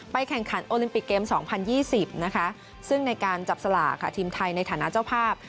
แข่งขันโอลิมปิกเกม๒๐๒๐นะคะซึ่งในการจับสลากค่ะทีมไทยในฐานะเจ้าภาพ